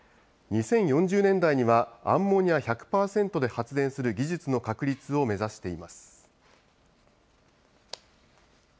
２０４０年代にはアンモニア１００％で発電する技術の確立を目指しています。